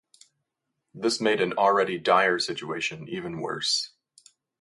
This made an already dire situation even worse.